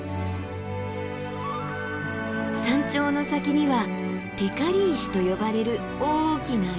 山頂の先には光石と呼ばれる大きな岩。